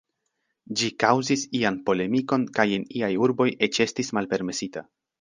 Ĝi kaŭzis ian polemikon kaj en iaj urbo eĉ estis malpermesita.